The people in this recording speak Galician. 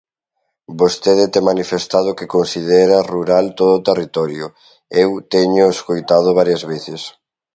Vostede ten manifestado que considera rural todo o territorio, eu téñoo escoitado varias veces.